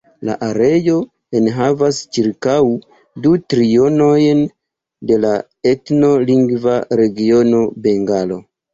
La areo enhavas ĉirkaŭ du trionojn de la etno-lingva regiono Bengalo.